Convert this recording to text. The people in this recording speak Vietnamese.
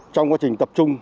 trong quá trình tập trung